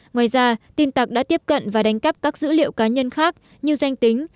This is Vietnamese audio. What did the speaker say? ngoài ra tin tặc đã tiếp cận và đánh cắp các dữ liệu cá nhân khác như danh tính